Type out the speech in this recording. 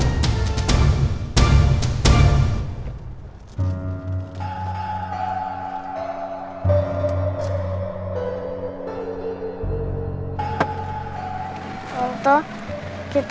aku akan mencari cherry